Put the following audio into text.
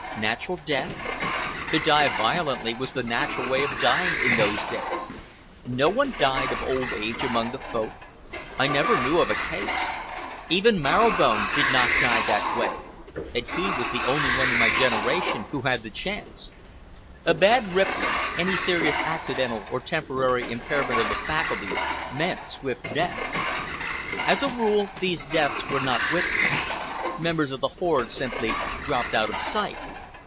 Natural death? To die violently was the natural way of dying in those days. No one died of old age among the Folk. I never knew of a case. Even Marrow Bone did not die that way, and he was the only one in my generation who had the chance. A bad crippling, any serious accidental or temporary impairment of the faculties, meant swift death. As a rule, these deaths were not witnessed. Members of the horde simply dropped out of sight.